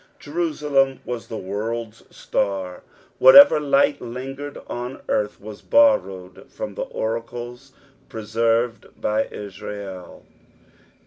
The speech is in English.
'" Jerusalem was the world's star ; whatever light lingered on earth was borrowed from the oracles preserved by Israel.